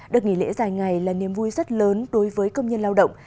được nghỉ lễ dài ngày là niềm vui rất lớn đối với công nhân lao động